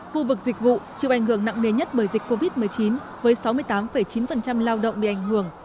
khu vực dịch vụ chịu ảnh hưởng nặng nề nhất bởi dịch covid một mươi chín với sáu mươi tám chín lao động bị ảnh hưởng